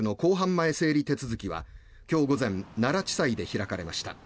前整理手続きは今日午前奈良地裁で開かれました。